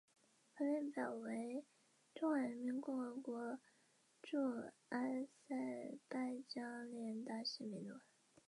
这是大联盟唯一一次触身球造成球员死亡的案例。